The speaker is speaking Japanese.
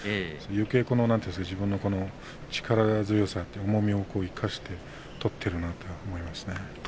よけい自分の力強さ、重みを生かして取っているなと思いますね。